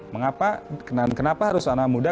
mengapa kenapa harus anak muda